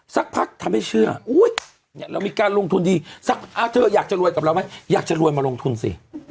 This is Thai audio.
สักพักทำให้เชื่อเรามีการลงทุนดีเธออยากจะรวยกับเราไหมอยากจะรวยมาลงทุนสิ